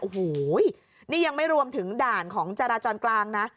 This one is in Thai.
โอ้โหนี่ยังไม่รวมถึงด่านของจราจรกลางนะ